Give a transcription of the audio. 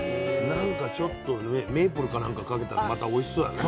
なんかちょっとメープルかなんかをかけたらまたおいしそうだね。